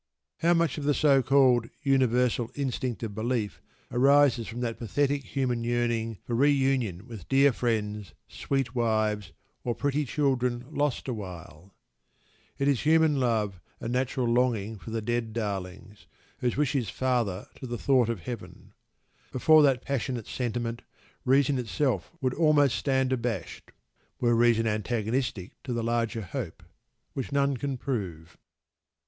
How much of the so called "universal instinct of belief" arises from that pathetic human yearning for reunion with dear friends, sweet wives, or pretty children "lost awhile"? It is human love and natural longing for the dead darlings, whose wish is father to the thought of Heaven. Before that passionate sentiment reason itself would almost stand abashed: were reason antagonistic to the "larger hope" which none can prove.